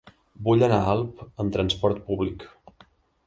Vull anar a Alp amb trasport públic.